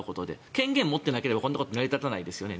権限を持っていなければこんなこと成り立たないですよね。